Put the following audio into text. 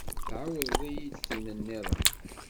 Tɛiwed-iyi-d tin nniḍen.